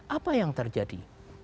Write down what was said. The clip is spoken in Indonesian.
apa yang terjadi